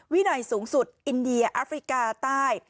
วินัยสูงสุดอินเดียแอฟริกาใต้